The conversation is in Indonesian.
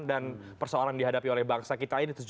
dan persoalan yang dihadapi oleh bangsa kita ini